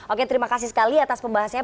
oke terima kasih sekali atas pembahasannya